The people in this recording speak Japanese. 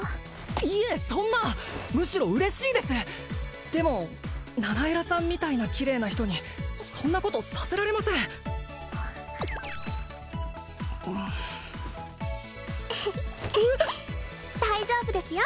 いえそんなむしろ嬉しいですでもナナエラさんみたいなキレイな人にそんなことさせられません大丈夫ですよ